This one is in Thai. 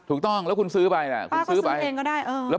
ถูกต้องแล้วคุณซื้อไปนะคุณซื้อไปป้าเขาก็ซื้อเองก็ได้